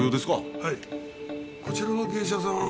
はいこちらの芸者さん